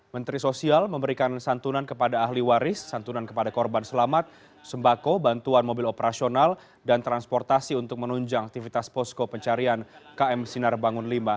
menteri sosial memberikan santunan kepada ahli waris santunan kepada korban selamat sembako bantuan mobil operasional dan transportasi untuk menunjang aktivitas posko pencarian km sinar bangun v